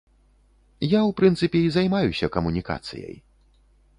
Я, у прынцыпе, і займаюся камунікацыяй.